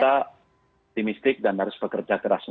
kita optimistik dan harus bekerja keras